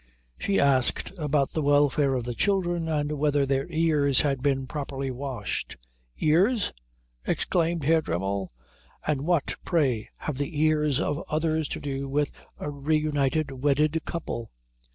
She asked about the welfare of the children, and whether their ears had been properly washed. "Ears?" exclaimed Herr Dremmel. "And what, pray, have the ears of others to do with a reunited wedded couple?"